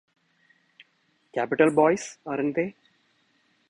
Capital boys, aren't they?